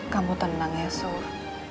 kamu tenang ya yusuf